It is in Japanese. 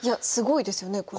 すごいですよね。